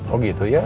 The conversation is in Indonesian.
oh gitu ya